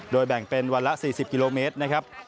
แบ่งเป็นวันละ๔๐กิโลเมตรนะครับ